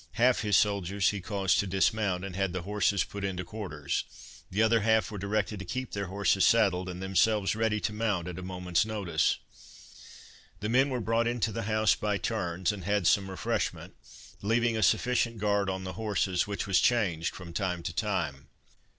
Half his soldiers he caused to dismount, and had the horses put into quarters; the other half were directed to keep their horses saddled, and themselves ready to mount at a moment's notice. The men were brought into the house by turns, and had some refreshment, leaving a sufficient guard on the horses, which was changed from time to time.